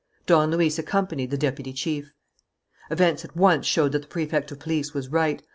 Don Luis accompanied the deputy chief. Events at once showed that the Prefect of Police was right.